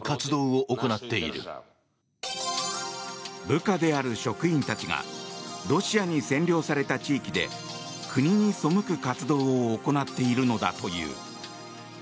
部下である職員たちがロシアに占領された地域で国に背く活動を行っているのだという。